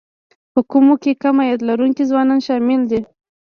په کومو کې کم عاید لرونکي ځوانان شامل دي